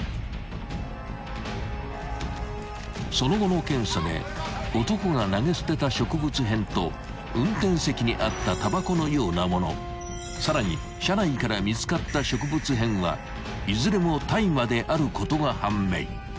［その後の検査で男が投げ捨てた植物片と運転席にあったタバコのような物さらに車内から見つかった植物片はいずれも大麻であることが判明］